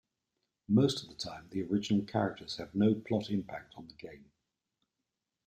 Most of the time, the original characters have no plot impact on the game.